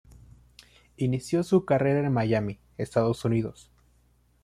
Inició su carrera en Miami, Estados Unidos.